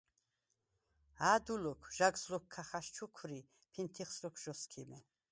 “ა̄დუ ლოქ, ჟაგს ლოქ ქა ხაშჩუქვრი, ფინთიხს ლოქ ჟ’ოსქიმე”.